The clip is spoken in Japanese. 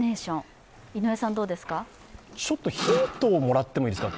ちょっとヒントをもらってもいいですか？